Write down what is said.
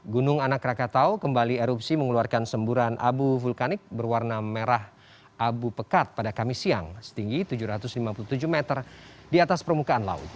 gunung anak rakatau kembali erupsi mengeluarkan semburan abu vulkanik berwarna merah abu pekat pada kamis siang setinggi tujuh ratus lima puluh tujuh meter di atas permukaan laut